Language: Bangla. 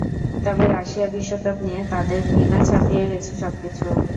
তবে রাশিয়া বিশ্বকাপ নিয়ে তাদের ঘৃণা ছাপিয়ে গেছে সবকিছু।